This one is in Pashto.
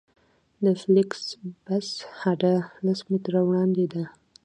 د فلېکس بس هډه لس متره وړاندې ده